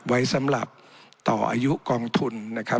ไว้สำหรับต่ออายุกองทุนนะครับ